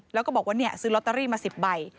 แล้วก็บอกว่าซื้อลอตเตอรี่มา๑๐ใบ